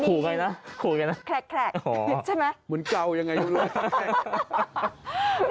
ขู่ไงนะแคลกใช่ไหมเหมือนเก่ายังไงอยู่เลย